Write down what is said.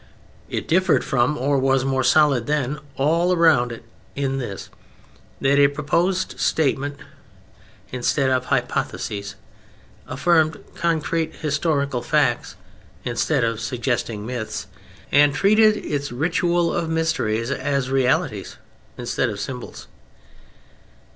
It differed from—or was more solid than—all around it in this: that it proposed statement instead of hypothesis, affirmed concrete historical facts instead of suggesting myths, and treated its ritual of "mysteries" as realities instead of symbols.